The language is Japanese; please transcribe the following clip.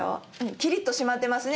キリッと締まってますね